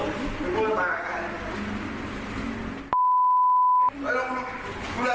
ไม่รู้อะไรกับใคร